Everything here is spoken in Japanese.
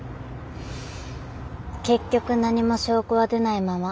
結局何も証拠は出ないまま。